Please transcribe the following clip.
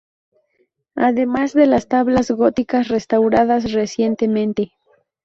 Además de las tablas góticas, restauradas recientemente.